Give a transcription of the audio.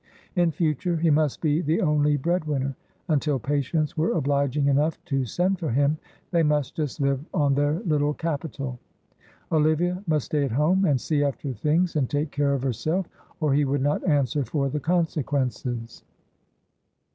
In future he must be the only breadwinner. Until patients were obliging enough to send for him, they must just live on their little capital. Olivia must stay at home, and see after things and take care of herself, or he would not answer for the consequences.